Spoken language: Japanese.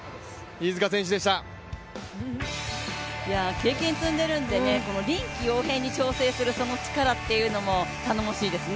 経験を積んでいるので、臨機応変に調整するその力というのも頼もしいですね。